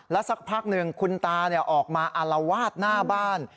สักพักหนึ่งคุณตาออกมาอารวาสหน้าบ้าน